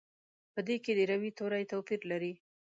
په دې کې د روي توري توپیر لري.